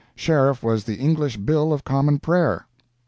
Sheriff was the English bill of common prayer.